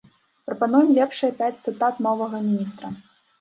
Прапануем лепшыя пяць цытат новага міністра.